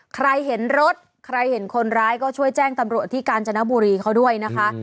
ใครเห็นรถใครเห็นคนร้ายก็ช่วยแจ้งตำรวจที่กาญจนบุรีเขาด้วยนะคะ